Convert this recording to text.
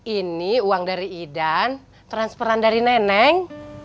ini uang dari idan transferan dari neneng